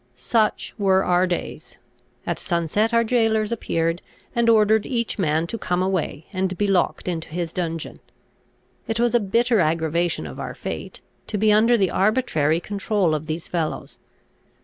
Such were our days. At sunset our jailors appeared, and ordered each man to come away, and be locked into his dungeon. It was a bitter aggravation of our fate, to be under the arbitrary control of these fellows.